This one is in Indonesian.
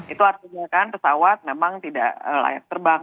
itu artinya kan pesawat memang tidak layak terbang